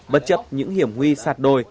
bất chấp những hiểm nguy sạt đôi